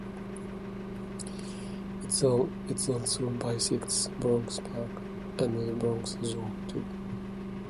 It also bisects Bronx Park and the Bronx Zoo.